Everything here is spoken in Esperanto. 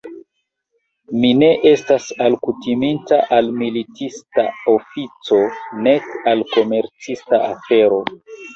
Mi ne estas alkutiminta al militista ofico nek al komercista afero.